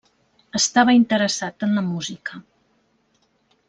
Estava interessat en la música.